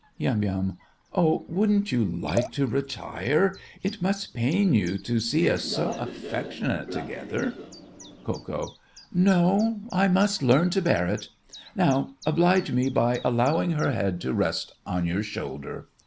YUM. Oh, wouldn't you like to retire? It must pain you to see us so affectionate together! KO. No, I must learn to bear it! Now oblige me by allowing her head to rest on your shoulder.